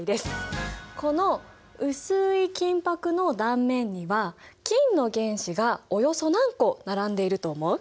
この薄い金ぱくの断面には金の原子がおよそ何個並んでいると思う？